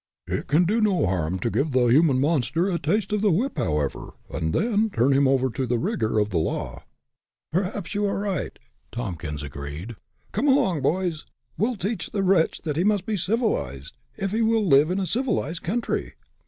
It can do no harm to give the human monster a taste of the whip, however, and then turn him over to the rigor of the law." "Perhaps you are right," Tompkins agreed. "Come along, boys! We'll teach the wretch that he must be civilized, if he will live in a civilized country!"